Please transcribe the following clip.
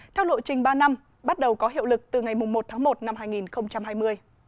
theo lộ trình ba năm bắt đầu có hiệu lực từ ngày một tháng một năm hai nghìn hai mươi